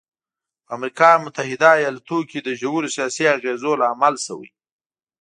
په امریکا متحده ایالتونو کې د ژورو سیاسي اغېزو لامل شوی.